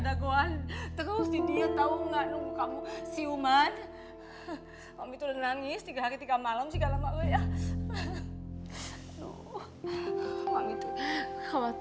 dan perlakuan kamu harusnya seimbang antara istri dan anak kamu reva